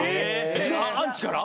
アンチから？